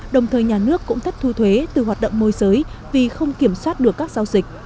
đồng thời nhà nước cũng thất thu thuế từ hoạt động môi giới vì không kiểm soát được các giao dịch